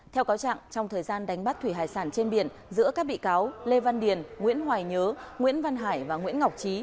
theo cáo trạng trong thời gian đánh bắt thủy hải sản trên biển giữa các bị cáo lê văn điền nguyễn hoài nhớ nguyễn văn hải và nguyễn ngọc trí